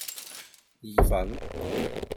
意粉